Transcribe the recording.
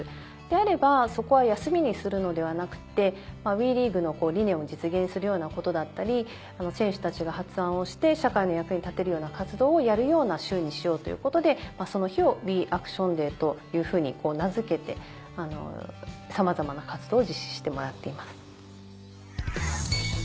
であればそこは休みにするのではなくってＷＥリーグの理念を実現するようなことだったり選手たちが発案をして社会の役に立てるような活動をやるような週にしようということでその日を「ＷＥＡＣＴＩＯＮＤＡＹ」というふうに名付けてさまざまな活動を実施してもらっています。